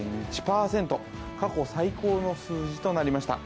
過去最高の数字となりました